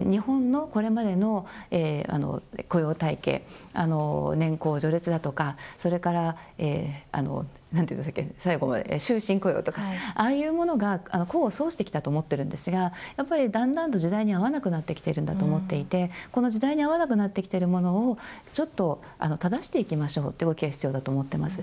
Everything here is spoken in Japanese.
日本のこれまでの雇用体系、年功序列だとか、それから、なんていうんでしたっけ、最後まで、終身雇用とか、ああいうものが功を奏してきたと思っているんですが、やっぱりだんだんと時代に合わなくなってきているんだと思っていて、この時代に合わなくなってきているものを、ちょっと正していきましょうという動きが必要だと思っています。